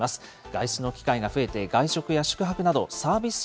外出の機会が増えて、外食や宿泊などサービス